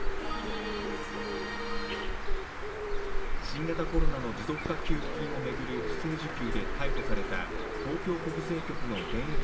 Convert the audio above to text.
新型コロナの持続化給付金を巡る不正受給で逮捕された東京国税局の現役